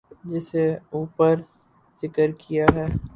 جیسے اوپر ذکر کیا ہے۔